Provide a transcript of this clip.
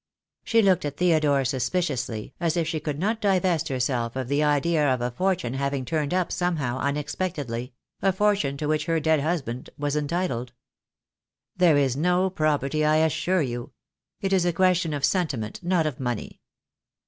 She looked at Theodore suspiciously, as if she could not divest herself of the idea of a fortune having turned up somehow, unexpectedly; a fortune to which her dead husband was entitled. "There is no property, I assure you. It is a question of sentiment, not of money."